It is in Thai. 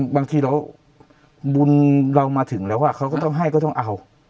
บางทีเราบุญเรามาถึงแล้วเขาก็ต้องให้ก็ต้องเอา